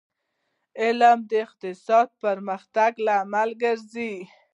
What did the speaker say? علم د اقتصادي پرمختګ لامل ګرځي